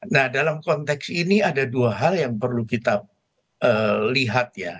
nah dalam konteks ini ada dua hal yang perlu kita lihat ya